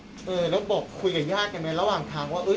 หรือบอกคุยอย่างย่ากันไหม